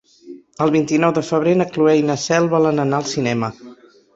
El vint-i-nou de febrer na Cloè i na Cel volen anar al cinema.